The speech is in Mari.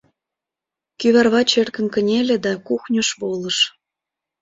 Кӱварвач эркын кынеле да кухньыш волыш.